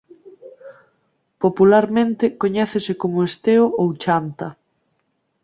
Popularmente coñécese como esteo ou chanta.